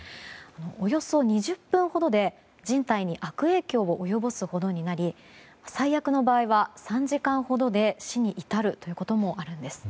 およそ２０分ほどで人体に悪影響を及ぼすほどになり最悪の場合は３時間ほどで死に至るということもあるんです。